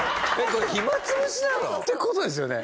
これ暇潰しなの？って事ですよね？